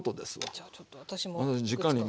じゃあちょっと私も。